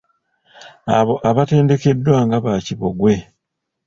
Abo abatendekeddwa nga baakibogwe.